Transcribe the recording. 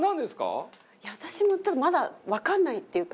私もまだわかんないっていうか。